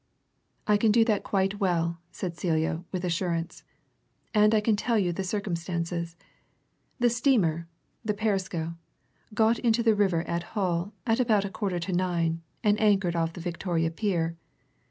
"I can do that quite well," said Celia, with assurance. "And I can tell you the circumstances. The steamer the Perisco got into the river at Hull about a quarter to nine and anchored off the Victoria Pier.